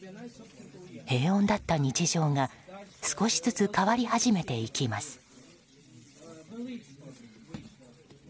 平穏だった日常が少しずつ変わり始めていきます。